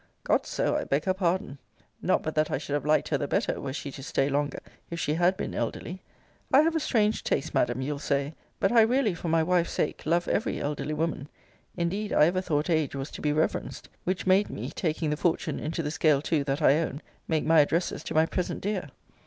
Cot so, I beg her pardon! Not but that I should have liked her the better, were she to stay longer, if she had been elderly. I have a strange taste, Madam, you'll say; but I really, for my wife's sake, love every elderly woman. Indeed I ever thought age was to be reverenced, which made me (taking the fortune into the scale too, that I own) make my addresses to my present dear.